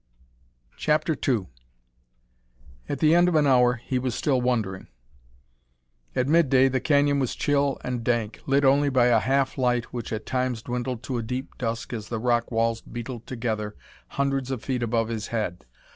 CHAPTER II At the end of an hour he was still wondering. At midday the canyon was chill and dank, lit only by a half light which at times dwindled to a deep dusk as the rock walls beetled together hundreds of feet above his head.